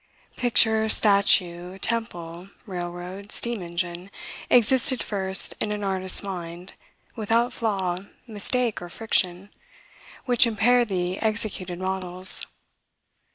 Picture, statue, temple, railroad, steam engine, existed first in an artist's mind, without flaw, mistake, or friction, which impair the executed models.